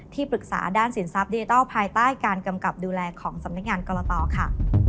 ปรึกษาด้านสินทรัพย์ดิจิทัลภายใต้การกำกับดูแลของสำนักงานกรตค่ะ